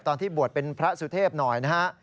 ตอนที่บวชเป็นพระสุเทพหน่อยนะฮะ